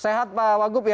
sehat pak wagub ya